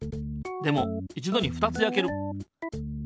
でもいちどに２つやける。